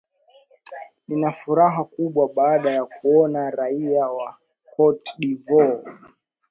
nina furaha kubwa baada ya kuona raia wa cote de ivoire